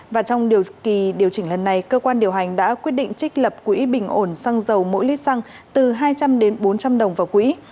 và trong điều kỳ điều chỉnh lần này cơ quan điều hành đã quyết định trích lập quỹ bình ổn xăng dầu mỗi lít xăng từ hai trăm linh bốn trăm linh đồng vào quỹ